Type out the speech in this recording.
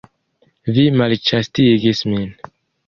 Vi malĉastigis min!